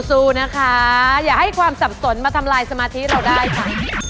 สู้นะคะอย่าให้ความสับสนมาทำลายสมาธิเราได้ค่ะ